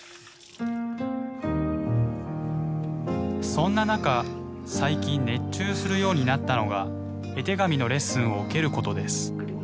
そんな中最近熱中するようになったのが絵手紙のレッスンを受けることです。